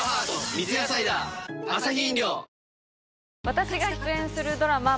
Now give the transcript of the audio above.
私が出演するドラマ